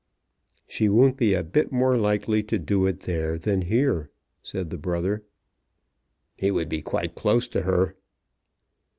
"She won't be a bit more likely to do it there than here," said the brother. "He would be quite close to her."